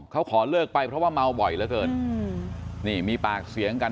เขาขอเลิกไปเพราะว่าเมาบ่อยเหลือเกินนี่มีปากเสียงกัน